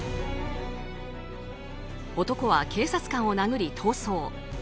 男は警察官を殴り逃走。